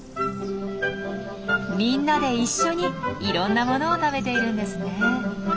みんなで一緒にいろんなものを食べているんですね。